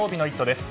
です。